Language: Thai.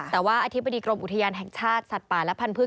แต่ว่าอธิบดีกรมอุทยานแห่งชาติสัตว์ป่าและพันธุ์